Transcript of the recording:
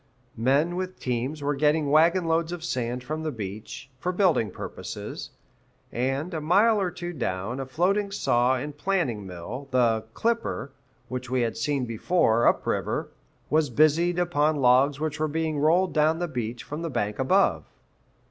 Men with teams were getting wagon loads of sand from the beach, for building purposes. And, a mile or two down, a floating saw and planing mill the "Clipper," which we had seen before, up river was busied upon logs which were being rolled down the beach from the bank above.